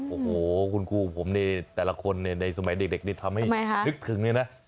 โอ้โหคุณครูผมนี่แต่ละคนในสมัยเด็กนี่ทำให้นึกถึงเลยนะ